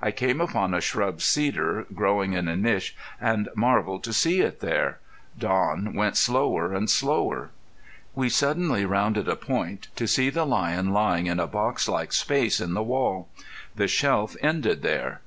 I came upon a shrub cedar growing in a niche and marveled to see it there. Don went slower and slower. We suddenly rounded a point, to see the lion lying in a box like space in the wall. The shelf ended there.